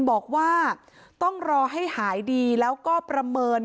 บอกว่าต้องรอให้หายดีแล้วก็ประเมิน